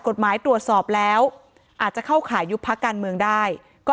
ตรวจสอบแล้วอาจจะเข้าขายยุบพักการเมืองได้ก็